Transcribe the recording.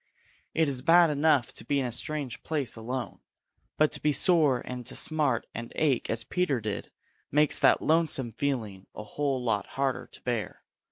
It is bad enough to be in a strange place alone, but to be sore and to smart and ache as Peter did makes that lonesome feeling a whole lot harder to bear.